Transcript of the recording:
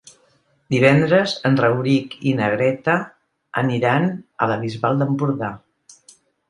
Divendres en Rauric i na Greta aniran a la Bisbal d'Empordà.